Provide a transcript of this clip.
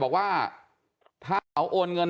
บอกว่าถ้าเขาโอนเงิน